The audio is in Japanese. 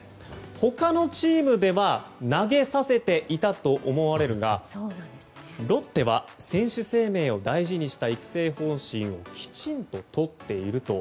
他のチームでは投げさせていたと思われるがロッテは選手生命を大事にした育成方針をきちんととっていると。